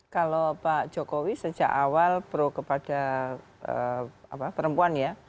kalau pak jokowi sejak awal pro kepada perempuan ya